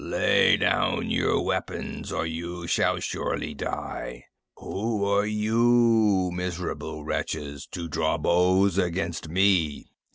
"_Lay down your weapons or you shall surely die! Who are you, miserable wretches, to draw bows against Me?